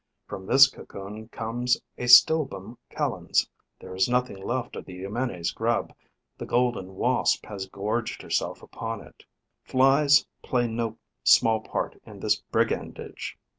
From this cocoon comes a Stilbum calens. There is nothing left of the Eumenes' grub: the Golden Wasp has gorged herself upon it. Flies play no small part in this brigandage.